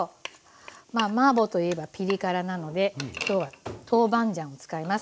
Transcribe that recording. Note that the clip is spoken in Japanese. まあマーボーといえばピリ辛なので今日は豆板醤を使います。